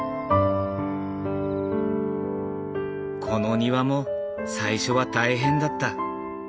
この庭も最初は大変だった。